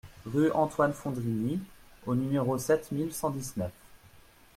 Rue Antoine Fondrini au numéro sept mille cent dix-neuf